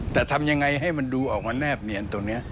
แต่ทำยังไงให้มันดูออกมาแนบเนียนตรงนี้